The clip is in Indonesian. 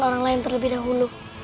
orang lain terlebih dahulu